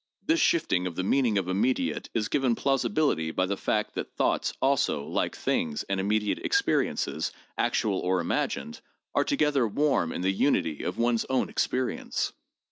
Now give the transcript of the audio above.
This shifting of the meaning of immediate is given plausibility by the fact that thoughts also, like things, and immediate experiences, actual or imagined, are together warm in the unity of one's own experience.